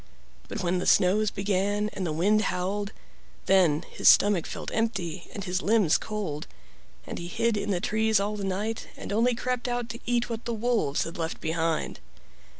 But when the snows began and the wind howled, then his stomach felt empty and his limbs cold, and he hid in trees all the night and only crept out to eat what the wolves had left behind.